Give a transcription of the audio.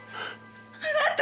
あなた！